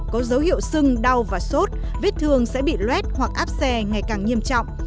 có dấu hiệu sưng đau và sốt vết thương sẽ bị luet hoặc áp xe ngày càng nghiêm trọng